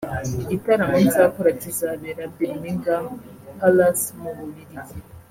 igitaramo nzakora kizabera Birmingham Palace mu Bubiligi